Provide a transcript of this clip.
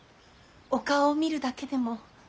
お顔を見るだけでも。